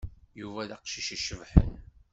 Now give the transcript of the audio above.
Yuba d aqcic icebḥen.